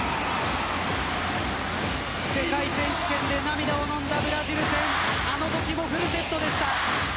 世界選手権で涙をのんだブラジル戦あのときもフルセットでした。